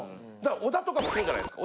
小田とかもそうじゃないですか。